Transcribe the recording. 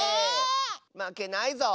まけないぞ！